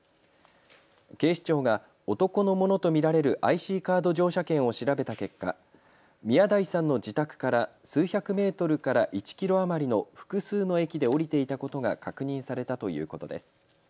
警視庁が男のものと見られるＩＣカード乗車券を調べた結果、宮台さんの自宅から数百メートルから１キロ余りの複数の駅で降りていたことが確認されたということです。